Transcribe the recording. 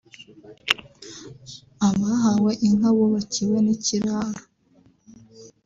Abahawe inka bubakiwe n’ikiraro